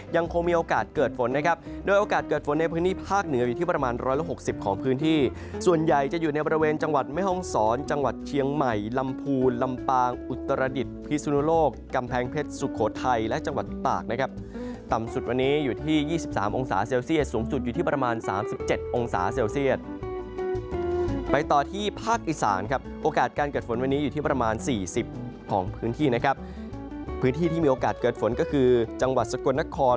ยังคงมีโอกาสเกิดฝนนะครับโดยโอกาสเกิดฝนในพื้นที่ภาคเหนืออยู่ที่ประมาณ๑๖๐ของพื้นที่ส่วนใหญ่จะอยู่ในบริเวณจังหวัดไม่ห้องศรจังหวัดเชียงใหม่ลำพูลลำปางอุตรราดิษฐ์พิสุโนโลกกำแพงเพชรสุโขทัยและจังหวัดตากนะครับต่ำสุดวันนี้อยู่ที่๒๓องศาเซลเซียสสูงสุดอย